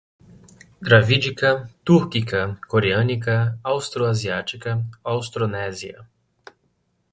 Dravídica, túrquica, coreânica, austro-asiática, austronésia